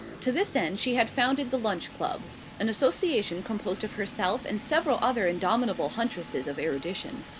To this end she had founded the Lunch Club, an association composed of herself and several other indomitable huntresses of erudition.